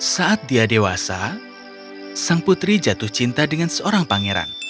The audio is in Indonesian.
saat dia dewasa sang putri jatuh cinta dengan seorang pangeran